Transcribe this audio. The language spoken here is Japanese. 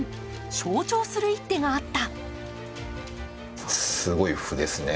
象徴する一手があった。